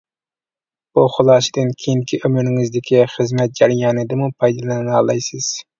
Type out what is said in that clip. بۇ خۇلاسىدىن كېيىنكى ئۆمرىڭىزدىكى خىزمەت جەريانىدىمۇ پايدىلىنالايسىز.